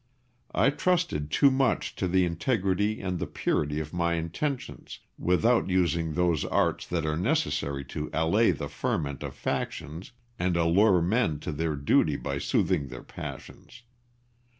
I trusted too much to the integrity and the purity of my intentions, without using those arts that are necessary to allay the ferment of factions and allure men to their duty by soothing their passions.